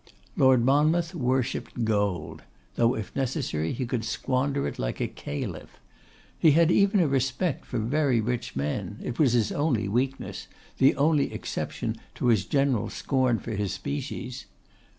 Lord Monmouth worshipped gold, though, if necessary, he could squander it like a caliph. He had even a respect for very rich men; it was his only weakness, the only exception to his general scorn for his species.